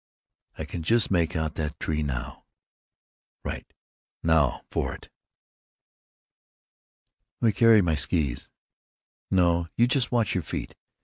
"I can just make out the tree now." "Right. Now for it." "Let me carry my skees." "No, you just watch your feet."